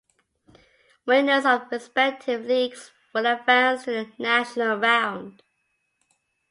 Winners of the respective leagues will advance to the "national round".